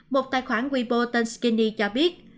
một tài khoản weibo tên skinny cho biết